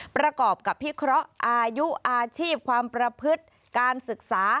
ประกอบกับพิเคราะห์อายุอาชีพความประพฤติการศึกษา